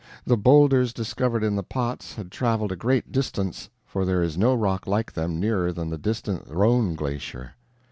The boulders discovered in the pots had traveled a great distance, for there is no rock like them nearer than the distant Rhone Glacier.